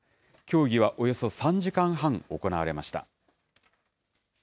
協議はおよそ３時間半、行われました。